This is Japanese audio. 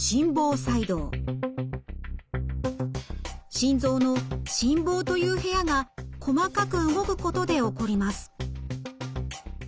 心臓の心房という部屋が細かく動くことで起こります。